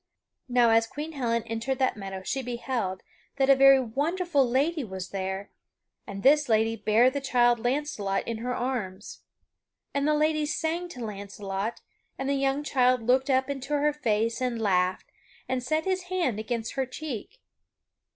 Now as Queen Helen entered that meadow she beheld that a very wonderful lady was there, and this lady bare the child Launcelot in her arms. And the lady sang to Launcelot, and the young child looked up into her face and laughed and set his hand against her cheek.